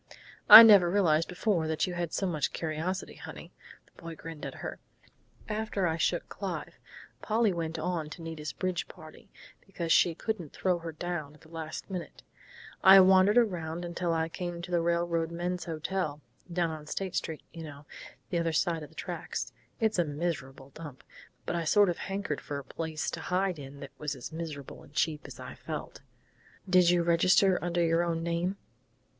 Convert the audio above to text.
"I never realized before you had so much curiosity, honey," the boy grinned at her. "After I shook Clive Polly went on to Nita's bridge party, because she couldn't throw her down at the last minute I wandered around till I came to the Railroad Men's Hotel, down on State Street, you know, the other side of the tracks. It's a miserable dump, but I sort of hankered for a place to hide in that was as miserable and cheap as I felt " "Did you register under your own name?"